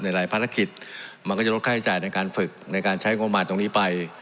หลายภารกิจมันก็จะลดค่าใช้จ่ายในการฝึกในการใช้งบประมาณตรงนี้ไป